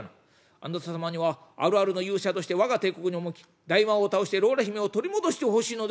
「あなた様にはあるあるの勇者として我が帝国に赴き大魔王を倒してローラ姫を取り戻してほしいのであります」。